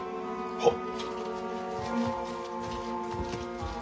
はっ。